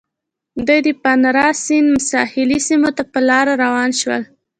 دوی د پانارا سیند ساحلي سیمو ته په لاره روان شول.